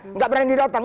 enggak pernah didatang